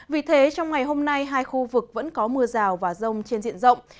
vì thế trong ngày hôm nay hai khu vực vẫn có mưa rào và rông trên diện rộng